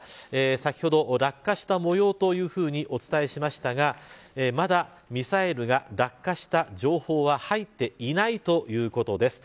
先ほど落下した模様というふうにお伝えしましたがまだ、ミサイルが落下した情報は入っていないということです。